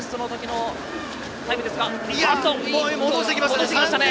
戻してきましたね